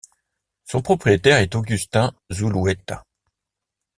Son propriétaire est Agustín Zulueta.